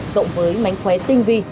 cộng với mánh khóe tinh vi